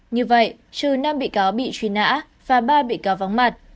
như vậy trừ năm bị cáo bị truy nã và ba bị cáo vắng mặt